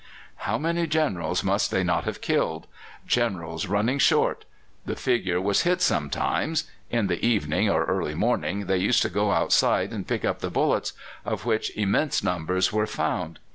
How many Generals must they not have killed! Generals running short! The figure was hit sometimes. In the evening or early morning they used to go outside and pick up the bullets, of which immense numbers were found.